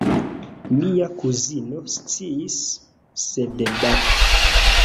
Mia kuzino sciis, sed ba!